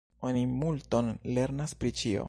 Oni multon lernas pri ĉio.